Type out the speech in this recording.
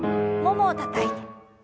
ももをたたいて。